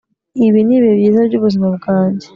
ibi nibihe byiza byubuzima bwanjye